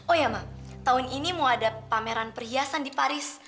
oh ya mak tahun ini mau ada pameran perhiasan di paris